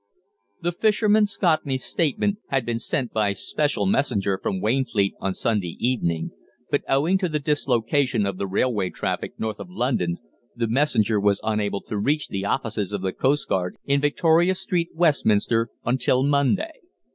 The fisherman Scotney's statement had been sent by special messenger from Wainfleet on Sunday evening, but owing to the dislocation of the railway traffic north of London, the messenger was unable to reach the offices of the coastguard in Victoria Street, Westminster, until Monday.